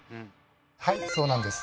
はいそうなんです。